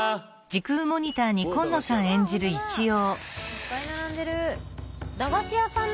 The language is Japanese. いっぱい並んでる。